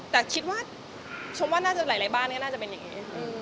แต่คิดว่าชมว่าน่าจะหลายบ้านก็น่าจะเป็นอย่างนี้